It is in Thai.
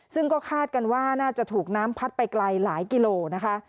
ซึ่งก็คาดกันว่าน่าจะถูกน้ำพัดไปไกลหลายกิโลนะคะ